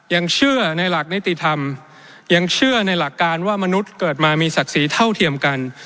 ยังเชื่อในหลักนิติธรรมยังเชื่อในหลักการว่ามนุษย์เกิดมามีศักดิ์ศรีเท่าเทียมกัน